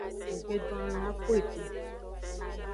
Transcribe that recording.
Nggbe don alon a ku eto o.